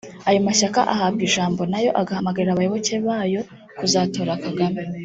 Ayo mashyaka ahabwa ijambo na yo agahamagarira abayoboke ba yo kuzatora Kagame